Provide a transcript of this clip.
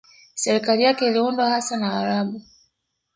Serikali yake iliyoundwa hasa na Waarabu